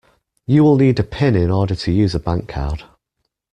You will need a pin in order to use a bankcard